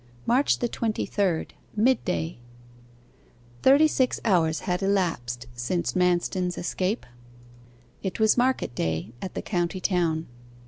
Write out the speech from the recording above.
MARCH THE TWENTY THIRD. MIDDAY Thirty six hours had elapsed since Manston's escape. It was market day at the county town.